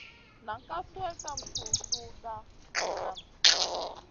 Nan ka swel kam hurduwda jiganou.